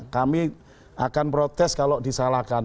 kami akan protes kalau disalahkan